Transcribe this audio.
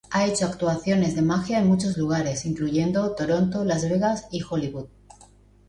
Ha hecho actuaciones de magia en muchos lugares, incluyendo Toronto, Las Vegas y Hollywood.